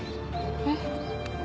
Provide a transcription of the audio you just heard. えっ？